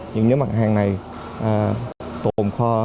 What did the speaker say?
những nhóm hàng này tồn kho tăng